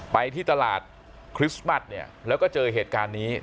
ไปที่ตลาดคริสต์มัสเนี่ยแล้วก็เจอเหตุการณ์นี้